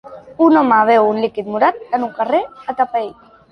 Un home beu un líquid morat en un carrer atapeït.